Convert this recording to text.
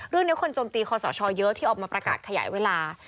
เรื่องนี้คนโจมตีคอสชเยอะที่ออกมาประกาศขยายเวลา